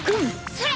それ！